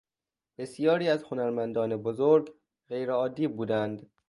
بسیاری از هنرمندان بزرگ غیر عادی بودهاند.